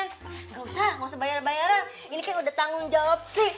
nggak usah bayar bayaran ini kan udah tanggung jawab sih